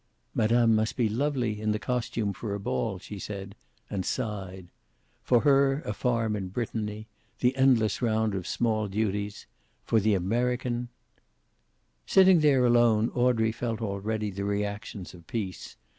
"Madame must be lovely in the costume for a ball," she said, and sighed. For her, a farm in Brittany, the endless round of small duties; for the American Sitting there alone Audrey felt already the reactions of peace.